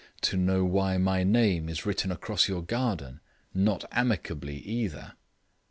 To know why my name is written across your garden. Not amicably either."